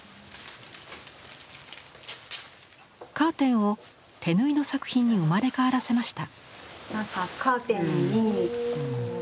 カーテンを手縫いの作品に生まれ変わらせました。